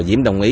diễm đồng ý